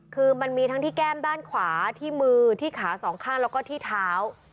คือมันมีทั้งที่แก้มด้านขวาที่มือที่ขาสองข้างแล้วก็ที่เท้า